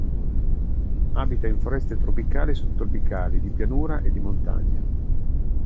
Abita in foreste tropicali e subtropicali di pianura e di montagna.